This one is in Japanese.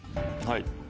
はい。